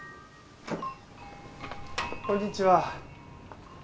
こんにちは。